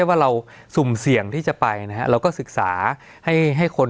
สวัสดีครับทุกผู้ชม